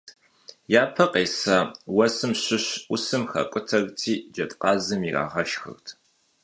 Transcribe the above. Yape khêsa vuesım şış 'usım xak'uterti cedkhazım yirağeşşxırt.